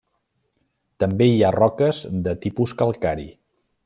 També hi ha roques de tipus calcari.